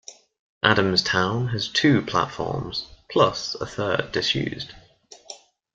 Adamstown has two platforms plus a third disused.